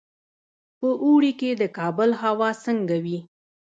په اوړي کې د کابل هوا څنګه وي؟